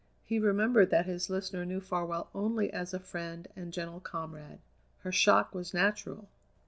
He remembered that his listener knew Farwell only as a friend and gentle comrade. Her shock was natural.